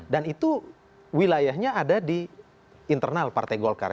dan itu wilayahnya ada di internal partai golkar